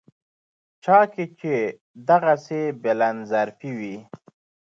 چا کې چې دغسې بلندظرفي وي.